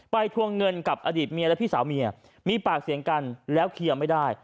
ทวงเงินกับอดีตเมียและพี่สาวเมียมีปากเสียงกันแล้วเคลียร์ไม่ได้